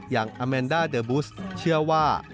อย่างอาแมนด้าเดอร์บุสเชื่อว่า